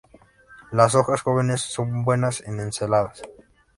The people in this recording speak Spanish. Las hojas jóvenes son buenas en ensaladas.